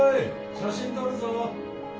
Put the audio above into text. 写真撮るぞ。